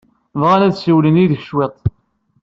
Bɣan ad ssiwlen yid-k cwiṭ.